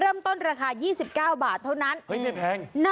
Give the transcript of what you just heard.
เริ่มต้นราคายี่สิบเก้าบาทเท่านั้นเฮ้ยไม่แพง